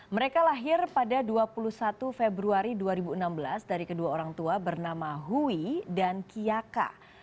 mereka lahir pada dua puluh satu februari dua ribu enam belas dari kedua orang tua bernama hui dan kiyaka